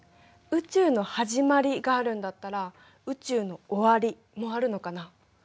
「宇宙のはじまり」があるんだったら「宇宙の終わり」もあるのかな？